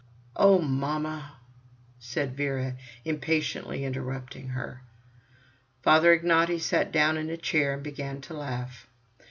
"Oh! mamma!" said Vera, impatiently interrupting her. Father Ignaty sat down on a chair and began to laugh.